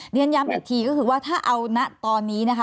เรียนย้ำอีกทีก็คือว่าถ้าเอานะตอนนี้นะคะ